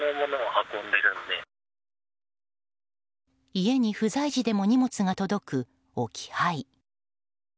家に不在時でも荷物が届く置き配。